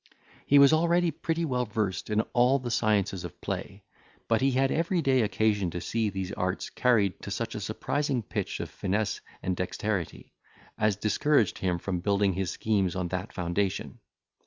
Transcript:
He was already pretty well versed in all the sciences of play; but he had every day occasion to see these arts carried to such a surprising pitch of finesse and dexterity, as discouraged him from building his schemes on that foundation.